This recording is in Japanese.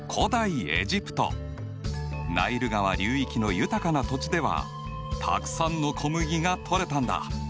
ナイル川流域の豊かな土地ではたくさんの小麦がとれたんだ。